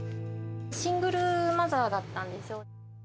シングルマザーだったんですよ。